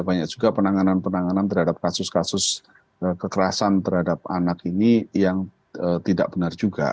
banyak juga penanganan penanganan terhadap kasus kasus kekerasan terhadap anak ini yang tidak benar juga